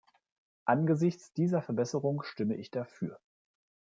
Angesichts dieser Verbesserung stimme ich dafür.